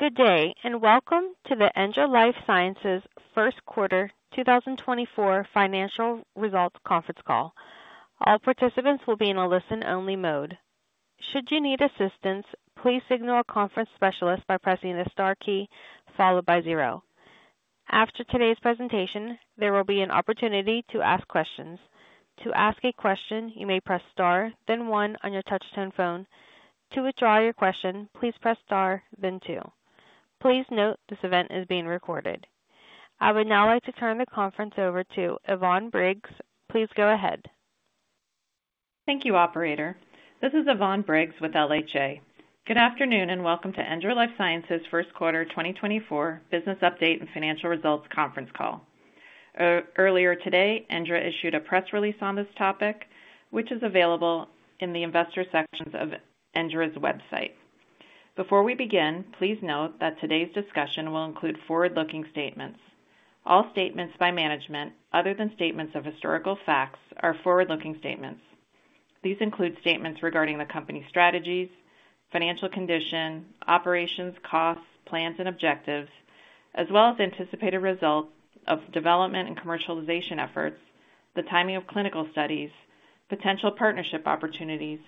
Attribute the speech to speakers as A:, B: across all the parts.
A: Good day and welcome to the ENDRA Life Sciences First Quarter 2024 Financial Results Conference Call. All participants will be in a listen-only mode. Should you need assistance, please signal a conference specialist by pressing the star key followed by 0. After today's presentation, there will be an opportunity to ask questions. To ask a question, you may press star, then 1 on your touch-tone phone. To withdraw your question, please press star, then 2. Please note this event is being recorded. I would now like to turn the conference over to Yvonne Briggs. Please go ahead.
B: Thank you, Operator. This is Yvonne Briggs with LHA. Good afternoon and welcome to ENDRA Life Sciences First Quarter 2024 Business Update and Financial Results Conference Call. Earlier today, ENDRA issued a press release on this topic, which is available in the investor sections of ENDRA's website. Before we begin, please note that today's discussion will include forward-looking statements. All statements by management, other than statements of historical facts, are forward-looking statements. These include statements regarding the company's strategies, financial condition, operations, costs, plans, and objectives, as well as anticipated results of development and commercialization efforts, the timing of clinical studies, potential partnership opportunities,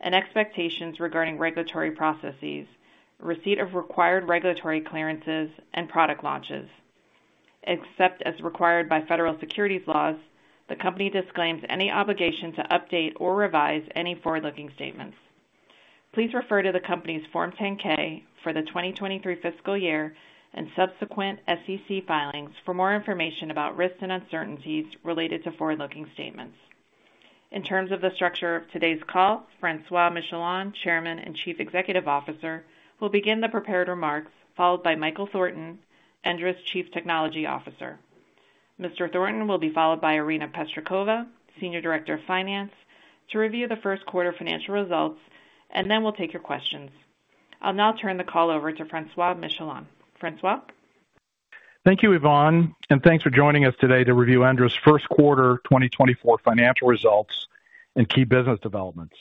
B: and expectations regarding regulatory processes, receipt of required regulatory clearances, and product launches. Except as required by federal securities laws, the company disclaims any obligation to update or revise any forward-looking statements. Please refer to the company's Form 10-K for the 2023 fiscal year and subsequent SEC filings for more information about risks and uncertainties related to forward-looking statements. In terms of the structure of today's call, Francois Michelon, Chairman and Chief Executive Officer, will begin the prepared remarks followed by Michael Thornton, ENDRA's Chief Technology Officer. Mr. Thornton will be followed by Irina Pestrikova, Senior Director of Finance, to review the first quarter financial results and then we'll take your questions. I'll now turn the call over to Francois Michelon. Francois?
C: Thank you, Yvonne, and thanks for joining us today to review ENDRA's First Quarter 2024 Financial Results and key business developments.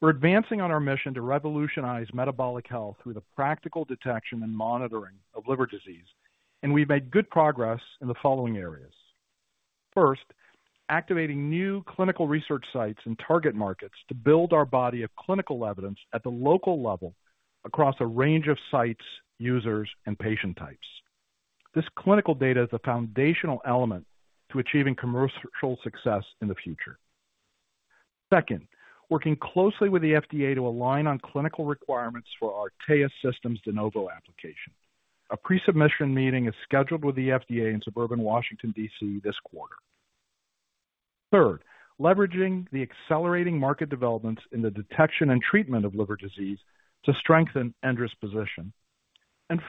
C: We're advancing on our mission to revolutionize metabolic health through the practical detection and monitoring of liver disease, and we've made good progress in the following areas. First, activating new clinical research sites and target markets to build our body of clinical evidence at the local level across a range of sites, users, and patient types. This clinical data is a foundational element to achieving commercial success in the future. Second, working closely with the FDA to align on clinical requirements for our TAEUS system's De Novo application. A pre-submission meeting is scheduled with the FDA in suburban Washington, D.C., this quarter. Third, leveraging the accelerating market developments in the detection and treatment of liver disease to strengthen ENDRA's position.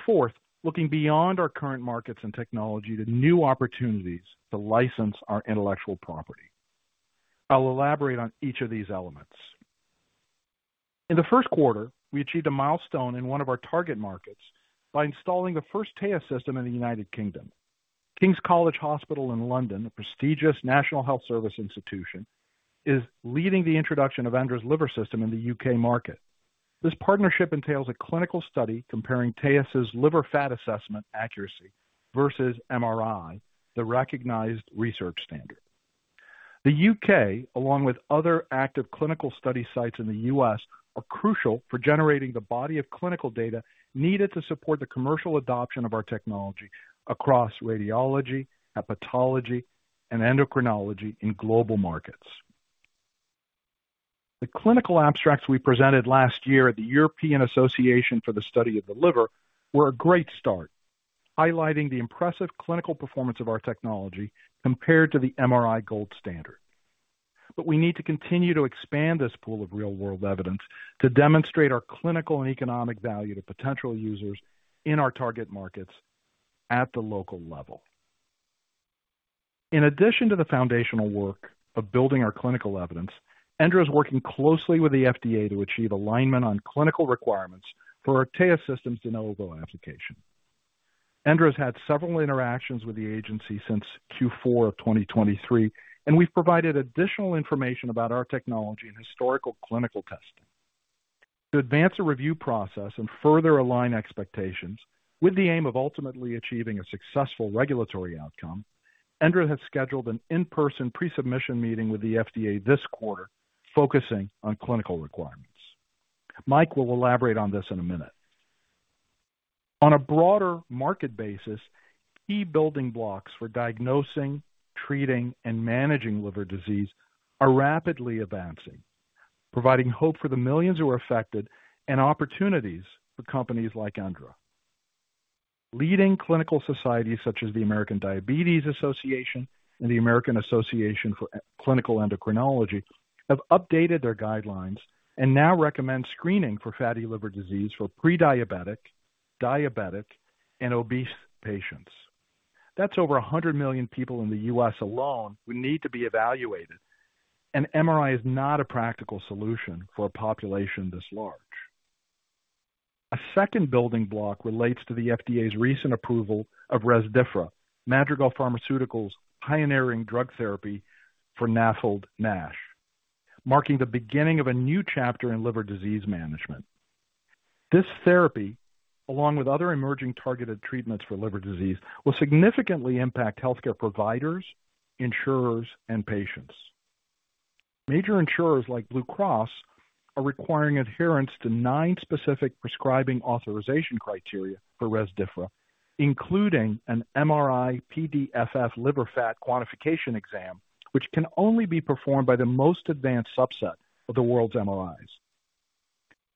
C: Fourth, looking beyond our current markets and technology to new opportunities to license our intellectual property. I'll elaborate on each of these elements. In the first quarter, we achieved a milestone in one of our target markets by installing the first TAEUS system in the United Kingdom. King's College Hospital in London, a prestigious National Health Service institution, is leading the introduction of ENDRA's liver system in the U.K. market. This partnership entails a clinical study comparing TAEUS's liver fat assessment accuracy versus MRI, the recognized research standard. The U.K., along with other active clinical study sites in the U.S., are crucial for generating the body of clinical data needed to support the commercial adoption of our technology across radiology, hepatology, and endocrinology in global markets. The clinical abstracts we presented last year at the European Association for the Study of the Liver were a great start, highlighting the impressive clinical performance of our technology compared to the MRI gold standard. But we need to continue to expand this pool of real-world evidence to demonstrate our clinical and economic value to potential users in our target markets at the local level. In addition to the foundational work of building our clinical evidence, ENDRA is working closely with the FDA to achieve alignment on clinical requirements for our TAEUS system's De Novo application. ENDRA has had several interactions with the agency since Q4 of 2023, and we've provided additional information about our technology and historical clinical testing. To advance the review process and further align expectations with the aim of ultimately achieving a successful regulatory outcome, ENDRA has scheduled an in-person pre-submission meeting with the FDA this quarter focusing on clinical requirements. Mike will elaborate on this in a minute. On a broader market basis, key building blocks for diagnosing, treating, and managing liver disease are rapidly advancing, providing hope for the millions who are affected and opportunities for companies like ENDRA. Leading clinical societies such as the American Diabetes Association and the American Association of Clinical Endocrinology have updated their guidelines and now recommend screening for fatty liver disease for prediabetic, diabetic, and obese patients. That's over 100 million people in the U.S. alone who need to be evaluated, and MRI is not a practical solution for a population this large. A second building block relates to the FDA's recent approval of Resdifra, Madrigal Pharmaceuticals' pioneering drug therapy for NAFLD/NASH, marking the beginning of a new chapter in liver disease management. This therapy, along with other emerging targeted treatments for liver disease, will significantly impact healthcare providers, insurers, and patients. Major insurers like Blue Cross are requiring adherence to nine specific prescribing authorization criteria for Resdifra, including an MRI PDFF liver fat quantification exam, which can only be performed by the most advanced subset of the world's MRIs.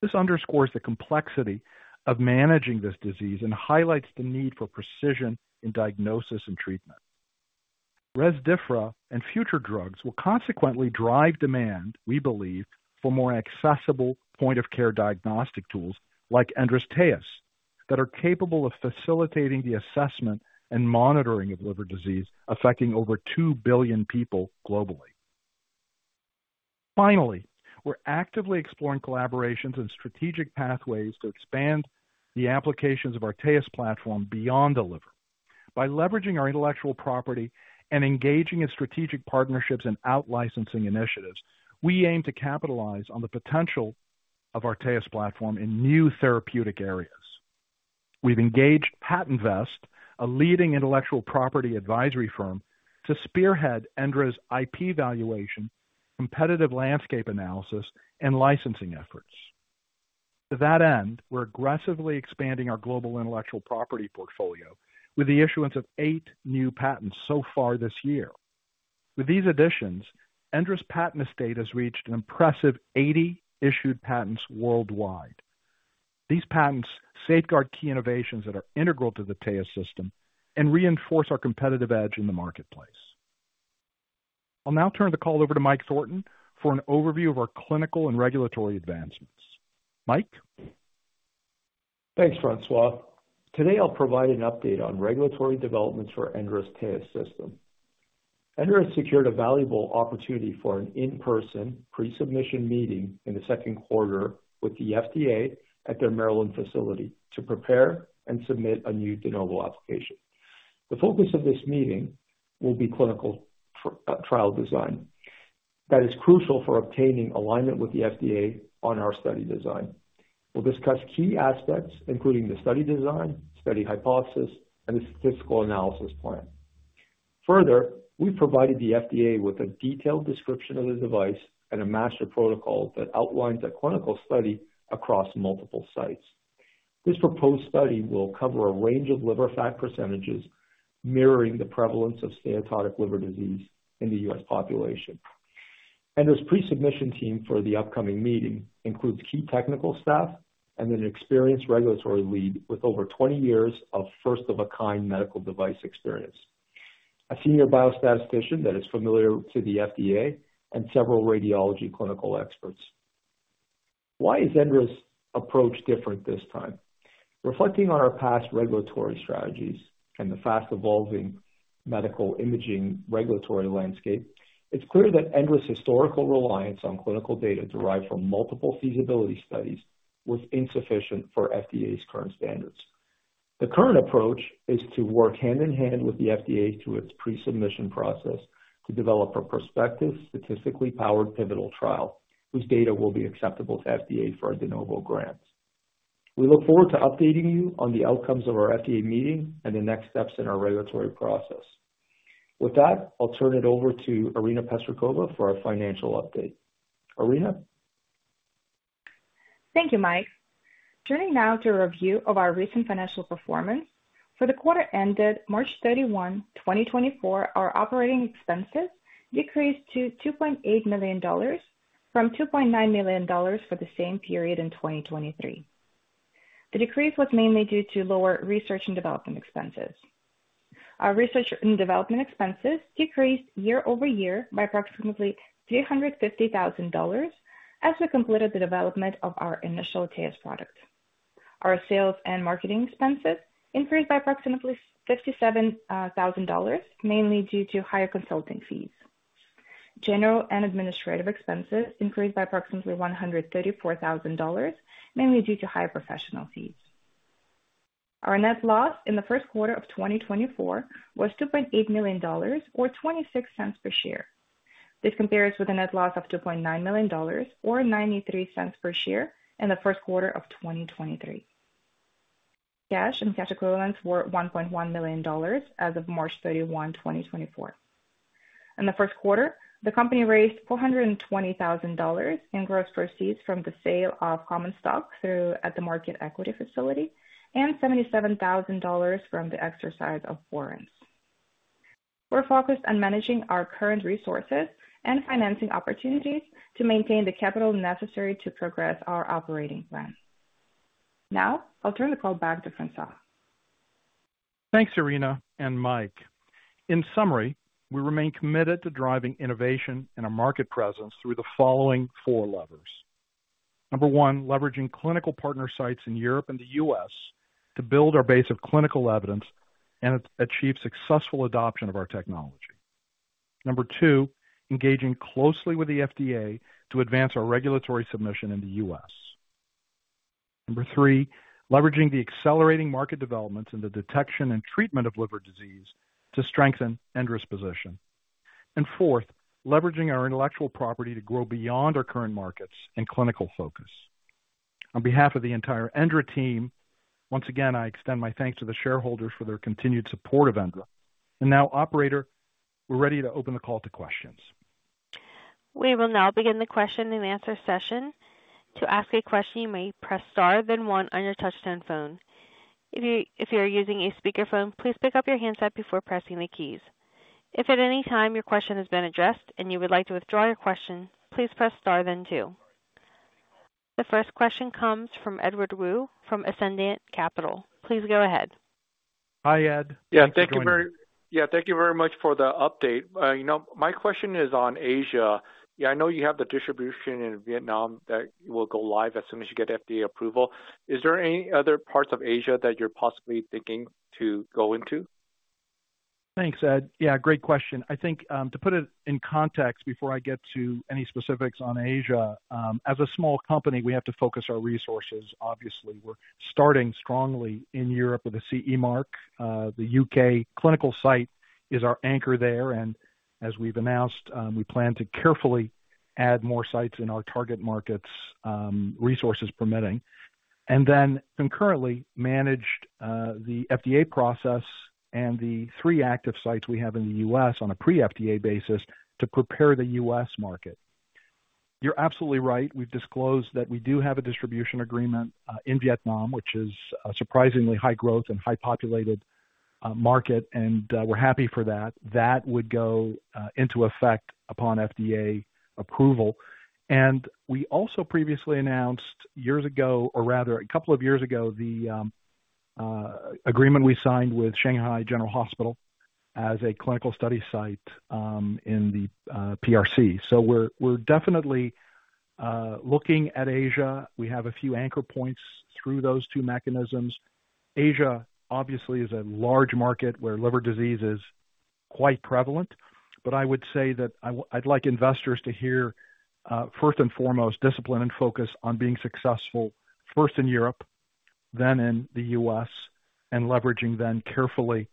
C: This underscores the complexity of managing this disease and highlights the need for precision in diagnosis and treatment. Resdifra and future drugs will consequently drive demand, we believe, for more accessible point-of-care diagnostic tools like ENDRA's TAEUS that are capable of facilitating the assessment and monitoring of liver disease affecting over 2 billion people globally. Finally, we're actively exploring collaborations and strategic pathways to expand the applications of our TAEUS platform beyond the liver. By leveraging our intellectual property and engaging in strategic partnerships and out-licensing initiatives, we aim to capitalize on the potential of our TAEUS platform in new therapeutic areas. We've engaged PatentVest, a leading intellectual property advisory firm, to spearhead ENDRA's IP valuation, competitive landscape analysis, and licensing efforts. To that end, we're aggressively expanding our global intellectual property portfolio with the issuance of eight new patents so far this year. With these additions, ENDRA's patent estate has reached an impressive 80 issued patents worldwide. These patents safeguard key innovations that are integral to the TAEUS system and reinforce our competitive edge in the marketplace. I'll now turn the call over to Mike Thornton for an overview of our clinical and regulatory advancements. Mike?
D: Thanks, Francois. Today I'll provide an update on regulatory developments for ENDRA's TAEUS system. ENDRA has secured a valuable opportunity for an in-person pre-submission meeting in the second quarter with the FDA at their Maryland facility to prepare and submit a new De Novo application. The focus of this meeting will be clinical trial design. That is crucial for obtaining alignment with the FDA on our study design. We'll discuss key aspects, including the study design, study hypothesis, and the statistical analysis plan. Further, we've provided the FDA with a detailed description of the device and a master protocol that outlines a clinical study across multiple sites. This proposed study will cover a range of liver fat percentages mirroring the prevalence of steatotic liver disease in the U.S. population. ENDRA's pre-submission team for the upcoming meeting includes key technical staff and an experienced regulatory lead with over 20 years of first-of-its-kind medical device experience, a senior biostatistician that is familiar to the FDA, and several radiology clinical experts. Why is ENDRA's approach different this time? Reflecting on our past regulatory strategies and the fast-evolving medical imaging regulatory landscape, it's clear that ENDRA's historical reliance on clinical data derived from multiple feasibility studies was insufficient for FDA's current standards. The current approach is to work hand-in-hand with the FDA through its pre-submission process to develop a prospective, statistically powered pivotal trial whose data will be acceptable to FDA for a De Novo grant. We look forward to updating you on the outcomes of our FDA meeting and the next steps in our regulatory process. With that, I'll turn it over to Irina Pestrikova for our financial update. Irina?
E: Thank you, Mike. Turning now to a review of our recent financial performance. For the quarter ended March 31, 2024, our operating expenses decreased to $2.8 million from $2.9 million for the same period in 2023. The decrease was mainly due to lower research and development expenses. Our research and development expenses decreased year-over-year by approximately $350,000 as we completed the development of our initial TAEUS product. Our sales and marketing expenses increased by approximately $57,000, mainly due to higher consulting fees. General and administrative expenses increased by approximately $134,000, mainly due to higher professional fees. Our net loss in the first quarter of 2024 was $2.8 million or $0.26 per share. This compares with a net loss of $2.9 million or $0.93 per share in the first quarter of 2023. Cash and cash equivalents were $1.1 million as of March 31, 2024. In the first quarter, the company raised $420,000 in gross proceeds from the sale of common stock through at-the-market equity facility and $77,000 from the exercise of warrants. We're focused on managing our current resources and financing opportunities to maintain the capital necessary to progress our operating plan. Now I'll turn the call back to Francois.
C: Thanks, Irina and Mike. In summary, we remain committed to driving innovation and our market presence through the following four levers. Number one, leveraging clinical partner sites in Europe and the U.S. to build our base of clinical evidence and achieve successful adoption of our technology. Number two, engaging closely with the FDA to advance our regulatory submission in the U.S. Number three, leveraging the accelerating market developments in the detection and treatment of liver disease to strengthen ENDRA's position. And fourth, leveraging our intellectual property to grow beyond our current markets and clinical focus. On behalf of the entire ENDRA team, once again, I extend my thanks to the shareholders for their continued support of ENDRA. And now, operator, we're ready to open the call to questions.
A: We will now begin the question and answer session. To ask a question, you may press star then one on your touchscreen phone. If you're using a speakerphone, please pick up your handset before pressing the keys. If at any time your question has been addressed and you would like to withdraw your question, please press star then two. The first question comes from Edward Woo from Ascendiant Capital. Please go ahead.
C: Hi, Ed.
F: Yeah, thank you very much for the update. My question is on Asia. I know you have the distribution in Vietnam that will go live as soon as you get FDA approval. Is there any other parts of Asia that you're possibly thinking to go into?
C: Thanks, Ed. Yeah, great question. I think to put it in context before I get to any specifics on Asia, as a small company, we have to focus our resources. Obviously, we're starting strongly in Europe with a CE mark. The U.K. clinical site is our anchor there, and as we've announced, we plan to carefully add more sites in our target markets resources permitting. And then concurrently, manage the FDA process and the 3 active sites we have in the U.S. on a pre-FDA basis to prepare the U.S. market. You're absolutely right. We've disclosed that we do have a distribution agreement in Vietnam, which is a surprisingly high-growth and high-populated market, and we're happy for that. That would go into effect upon FDA approval. We also previously announced years ago or rather, a couple of years ago, the agreement we signed with Shanghai General Hospital as a clinical study site in the PRC. So we're definitely looking at Asia. We have a few anchor points through those two mechanisms. Asia, obviously, is a large market where liver disease is quite prevalent, but I would say that I'd like investors to hear, first and foremost, discipline and focus on being successful first in Europe, then in the U.S., and leveraging then carefully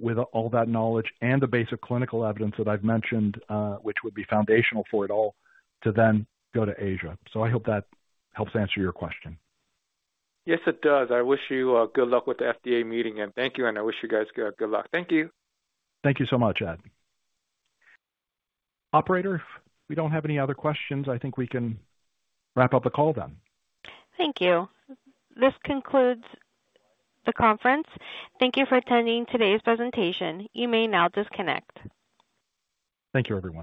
C: with all that knowledge and the base of clinical evidence that I've mentioned, which would be foundational for it all, to then go to Asia. So I hope that helps answer your question.
F: Yes, it does. I wish you good luck with the FDA meeting, and thank you, and I wish you guys good luck. Thank you.
C: Thank you so much, Ed. Operator, if we don't have any other questions, I think we can wrap up the call then.
A: Thank you. This concludes the conference. Thank you for attending today's presentation. You may now disconnect.
C: Thank you, everyone.